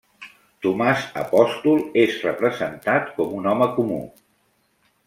Tomàs apòstol és representat com un home comú.